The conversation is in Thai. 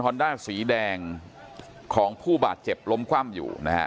ด้าสีแดงของผู้บาดเจ็บล้มคว่ำอยู่นะฮะ